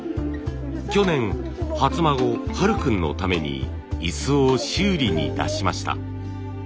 去年初孫はる君のために椅子を修理に出しました。